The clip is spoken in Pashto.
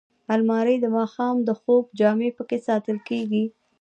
الماري د ماښام د خوب جامې پکې ساتل کېږي